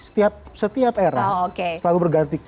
setiap era selalu berganti